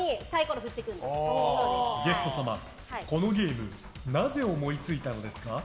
ゲスト様、このゲームなぜ思いついたのですか？